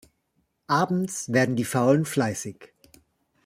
Abends werden die Faulen fleißig.